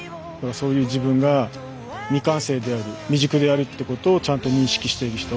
そういう自分が未完成である未熟であるって事をちゃんと認識している人。